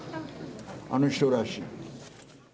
あの人らしい。